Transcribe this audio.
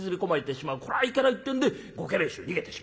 これはいけないってんでご家来衆逃げてしまう。